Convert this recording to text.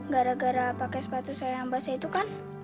gara gara pakai sepatu saya yang basah itu kan